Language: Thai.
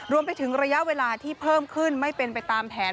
รวมไปถึงระยะเวลาที่เพิ่มขึ้นไม่เป็นไปตามแผน